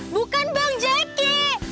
bukan bang jeki